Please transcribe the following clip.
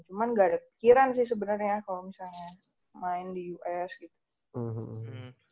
cuman gak ada pikiran sih sebenernya kalo misalnya main di us gitu